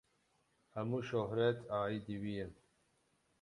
Hemû şohret aîdî wî ye.